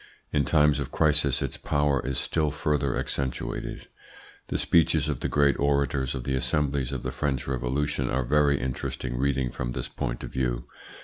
In times of crisis its power is still further accentuated. The speeches of the great orators of the assemblies of the French Revolution are very interesting reading from this point of view.